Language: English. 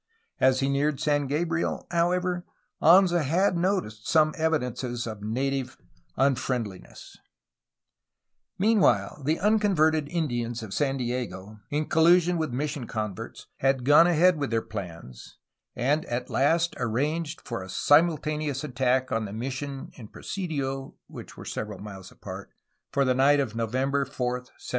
As he neared San Gabriel, however, Anza had noticed some evidences of native unfriend liness. THE FOUNDING OF SAN FRANCISCO 309 Meanwhile the unconverted Indians of San Diego, in collusion with mission converts, had gone ahead with their plans, and at last arranged for a simultaneous attack on the mission and presidio (which were several miles apart) for the night of November 4, 1775.